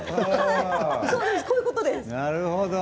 こういうことです。